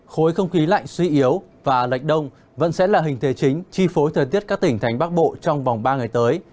khối không khí lạnh suy yếu và lệch đông vẫn sẽ là hình thế chính chi phối thời tiết các tỉnh thành bắc bộ trong vòng ba ngày tới